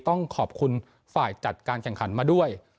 ต้องขอบคุณฝ่ายจัดการแข่งขันมาด้วย